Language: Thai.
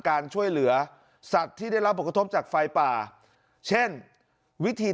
การช่วยเหลือสัตว์ที่ได้รับผลกระทบจากไฟป่าเช่นวิธี